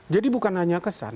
jadi bukan hanya kesan